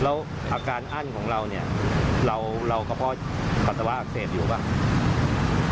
แล้วอาการอั้นของเราเนี้ยเราก็เพราะตัวอักเสบอยู่หรือเปล่า